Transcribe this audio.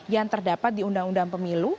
yang terdapat di undang undang pemilu